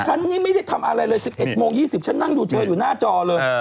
ฉันนี่ไม่ได้ทำอะไรเลย๑๑โมง๒๐ฉันนั่งดูเธออยู่หน้าจอเลย